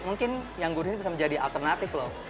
mungkin yang gurih ini bisa menjadi alternatif loh